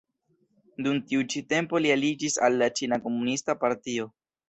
Dum tiu ĉi tempo li aliĝis al la Ĉina Komunista Partio.